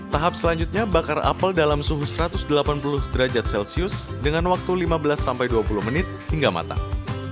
tahap selanjutnya bakar apel dalam suhu satu ratus delapan puluh derajat celcius dengan waktu lima belas sampai dua puluh menit hingga matang